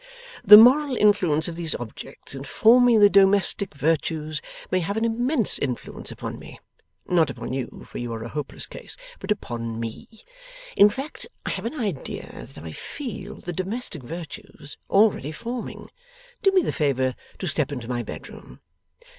The moral influence of these objects, in forming the domestic virtues, may have an immense influence upon me; not upon you, for you are a hopeless case, but upon me. In fact, I have an idea that I feel the domestic virtues already forming. Do me the favour to step into my bedroom.